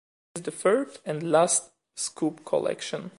It is the third and last "Scoop" collection.